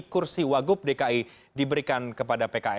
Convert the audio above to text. kursi wagub dki diberikan kepada pks